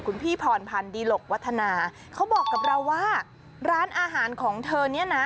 คุณพี่พรพันธ์ดีหลกวัฒนาเขาบอกกับเราว่าร้านอาหารของเธอเนี่ยนะ